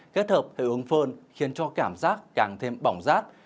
kết hợp với ứng phơn khiến cho cảm giác càng thêm bỏng rát